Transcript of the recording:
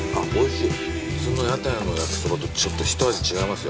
普通の屋台の焼きそばとひと味違います